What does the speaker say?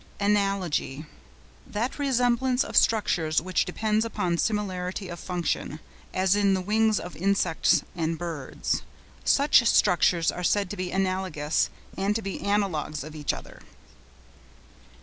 ANALOGY.—That resemblance of structures which depends upon similarity of function, as in the wings of insects and birds. Such structures are said to be analogous, and to be analogues of each other.